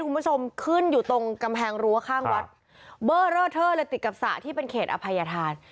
คุณผู้ชมขึ้นอยู่ตรงกำแพงรั้วข้างวัดเบอร์เลอร์เทอร์เลยติดกับสระที่เป็นเขตอภัยธาน